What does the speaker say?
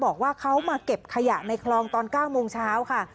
บอกว่าเขามาเก็บขยะในคลองตอน๙โมงเช้าค่ะ